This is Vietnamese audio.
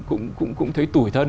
cũng cũng cũng thấy tủi thân